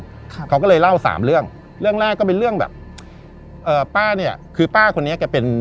ครับเขาก็เลยเล่าสามเรื่องเรื่องแรกก็เป็นเรื่องแบบเอ่อป้าเนี้ยคือป้าคนนี้แกเป็น